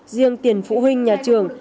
riêng tiền phụ huynh nhà trường